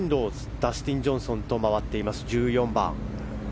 ダスティン・ジョンソンと回っています、１４番。